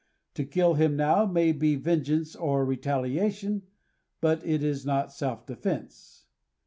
To kill him now may be vengeance or retaliation, but it is not self defense.